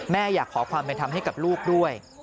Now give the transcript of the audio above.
อยากขอความเป็นธรรมให้กับลูกด้วย